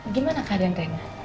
gimana keadaan rena